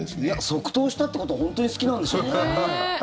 即答したってことは本当に好きなんでしょうね。